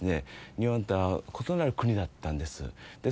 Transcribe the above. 日本とは異なる国だったんです